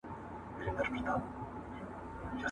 هغه په لوړ غږ خپل ځواب ووایه.